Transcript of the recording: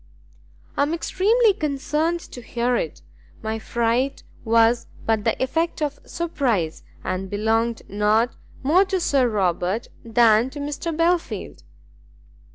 "I am extremely concerned to hear it; my fright was but the effect of surprise, and belonged not more to Sir Robert than to Mr Belfield."